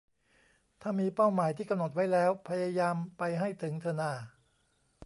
ถ้ามีเป้าหมายที่กำหนดไว้แล้วพยายามไปให้ถึงเถอะน่า